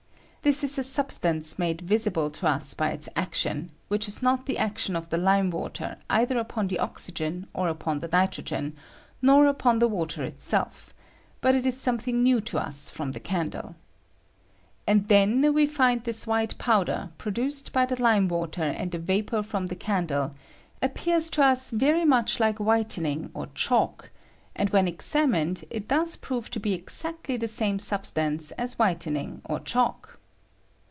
This ia a substance made visible to us by its action, which is not the action of the lime water either upon the oxygen or upon the nitrogen, nor upon the water itself, but it is something new to tis from the candle. And then we find this white powder, produced by the lime water and the vapor from the candle, appears to us very much like whitening or chalk, and when examined it does prove to be exaoUy the same substance as whitening or chalk.